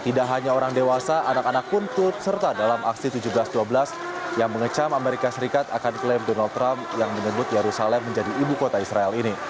tidak hanya orang dewasa anak anak pun turut serta dalam aksi tujuh belas dua belas yang mengecam amerika serikat akan klaim donald trump yang menyebut yerusalem menjadi ibu kota israel ini